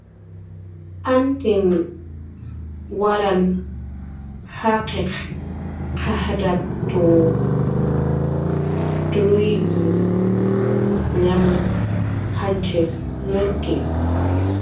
"Antin waran jakkiriq q'aj ijrnaw truik llam janchit"" nurki"